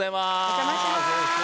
お邪魔します。